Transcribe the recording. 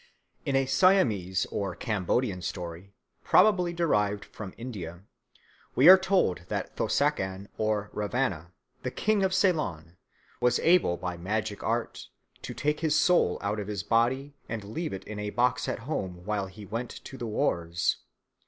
In a Siamese or Cambodian story, probably derived from India, we are told that Thossakan or Ravana, the King of Ceylon, was able by magic art to take his soul out of his body and leave it in a box at home, while he went to the wars.